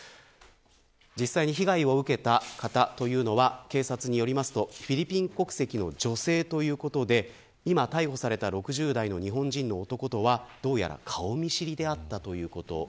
実際に被害を受けた方というのは警察によりますとフィリピン国籍の女性ということで今逮捕された６０代の日本人の男とはどうやら顔見知りであったということ。